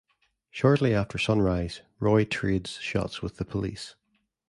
Shortly after sunrise, Roy trades shots with the police.